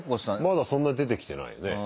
まだそんな出てきてないよね。